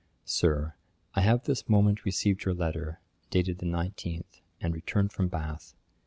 'SIR, 'I have this moment received your letter, dated the 19th, and returned from Bath.